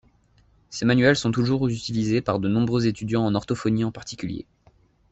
Ses manuels sont toujours utilisés par de nombreux étudiants en orthophonie en particulier.